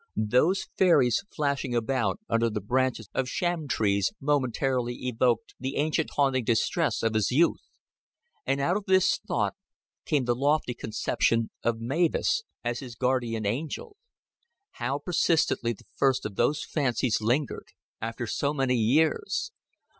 Those fairies flashing about under the branches of sham trees momentarily evoked the ancient haunting distress of his youth, and out of this thought came the lofty conception of Mavis as his guardian angel. How persistently the first of those fancies lingered after so many years!